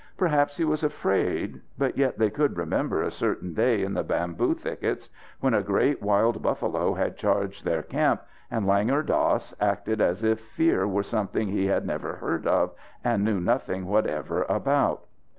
Perhaps he was afraid but yet they could remember a certain day in the bamboo thickets, when a great, wild buffalo had charged their camp and Langur Dass acted as if fear were something he had never heard of and knew nothing whatever about.